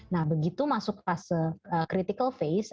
nah begitu masuk fase critical face